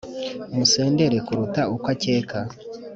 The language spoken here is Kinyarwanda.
musendere kuruta uko akeka